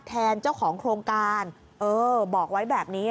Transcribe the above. แทนเจ้าของโครงการเออบอกไว้แบบนี้